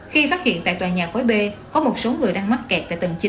khi phát hiện tại tòa nhà cuối b có một số người đang mắc kẹt tại tầng chín